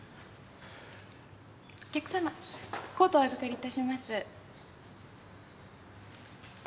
お客様コートお預かりいたします。